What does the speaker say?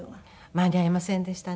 間に合いませんでしたね。